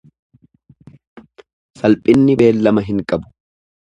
Salphinni beellama hin qabu.